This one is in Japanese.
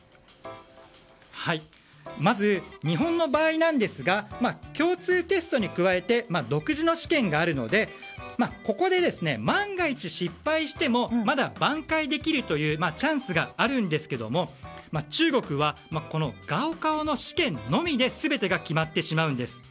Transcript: まず、日本の場合なんですが共通テストに加えて独自の試験があるのでここで万が一失敗してもまだ挽回できるというチャンスがあるんですが中国はガオカオの試験のみで全てが決まってしまうんです。